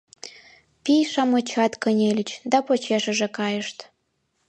Пий-шамычат кынельыч да почешыже кайышт.